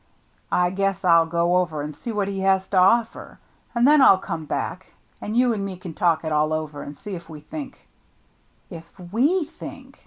" I guess I'll go over and see what he has to offer, and then I'll come back, and you and me can talk it all over and see if we think —" "If w^ think!